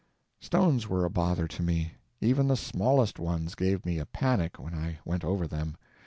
Stones were a bother to me. Even the smallest ones gave me a panic when I went over them.